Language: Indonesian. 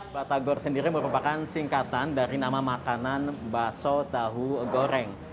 batagor sendiri merupakan singkatan dari nama makanan baso tahu goreng